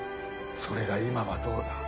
それが今はどうだ。